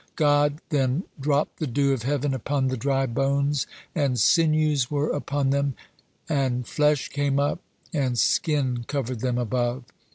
God then dropped the dew of heaven upon the dry bones, and "sinews were upon them, and flesh came up, and skin covered them above."